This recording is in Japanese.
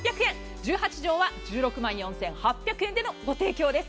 １８畳は１６万４８００円のご提供です。